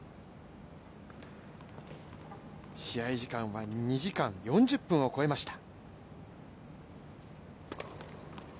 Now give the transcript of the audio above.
試合時間は２時間４０分を超えました